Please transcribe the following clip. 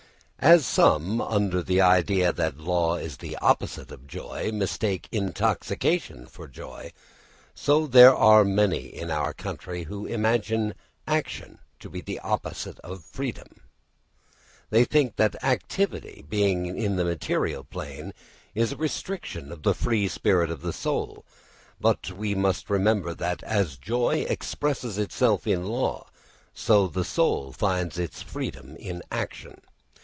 As some, under the idea that law is the opposite of joy, mistake intoxication for joy, so there are many in our country who imagine action to be opposed to freedom. They think that activity being in the material plane is a restriction of the free spirit of the soul. But we must remember that as joy expresses itself in law, so the soul finds its freedom in action.